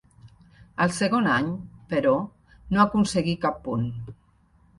El segon any, però, no aconseguí cap punt.